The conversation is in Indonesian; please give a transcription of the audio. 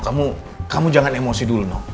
kamu kamu jangan emosi dulu nok